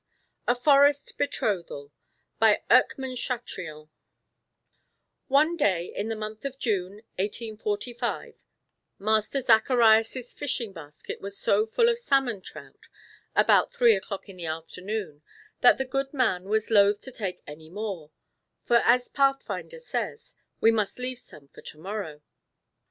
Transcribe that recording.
A FOREST BETROTHAL BY ERCKMANN CHATRIAN One day in the month of June, 1845, Master Zacharias' fishing basket was so full of salmon trout, about three o'clock in the afternoon, that the good man was loath to take any more; for, as Pathfinder says: "We must leave some for to morrow!"